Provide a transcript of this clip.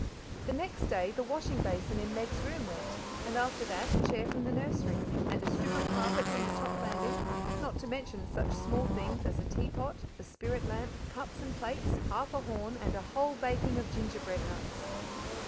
The next day the washing basin in Meg's room went, and after that a chair from the nursery, and a strip of carpet from the top landing, not to mention such small things as a teapot, a spirit lamp, cups and plates, half a horn, and a whole baking of gingerbread nuts.